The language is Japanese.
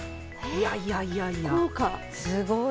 いやいやいやいやすごい。